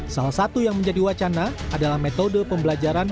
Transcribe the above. salah satu yang menjadi wacana adalah metode pembelajaran